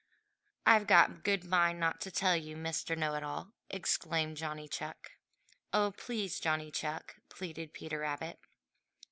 "I've a good mind not to tell you, Mr. Know it all," exclaimed Johnny Chuck. "Oh, please, Johnny Chuck," pleaded Peter Rabbit.